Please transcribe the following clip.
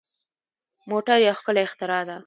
موټر یو ښکلی اختراع ده.